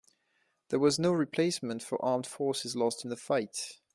There was no replacement for armed forces lost in the fight.